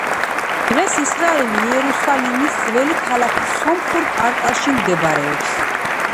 დღეს ისრაელი იერუსალიმის ძველი ქალაქის სომხურ კვარტალში მდებარეობს.